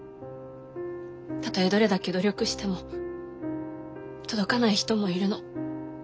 たとえどれだけ努力しても届かない人もいるの。